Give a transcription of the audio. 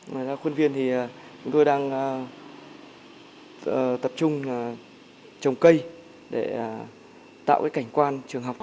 ngoài ra khuôn viên thì chúng tôi đang tập trung trồng cây để tạo cảnh quan trường học